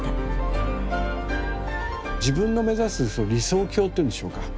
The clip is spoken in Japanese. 自分の目指す理想郷というんでしょうか。